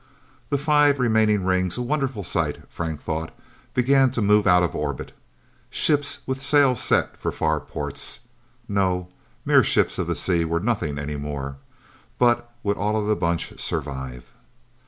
The five remaining rings a wonderful sight, Frank thought began to move out of orbit. Ships with sails set for far ports. No mere ships of the sea were nothing, anymore. But would all of the Bunch survive?